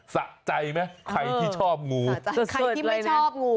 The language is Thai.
สะใจไหมใครที่ชอบงูสะใจเลยนะครับใครที่ไม่ชอบงู